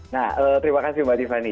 nah terima kasih mbak tifa ini